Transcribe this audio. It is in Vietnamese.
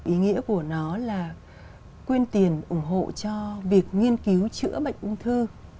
ý nghĩa của nó là quyên tiền ủng hộ cho việc nghiên cứu chữa bệnh ung thư